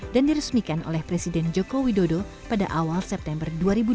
dan dirismikan oleh presiden joko widodo pada awal september dua ribu dua puluh satu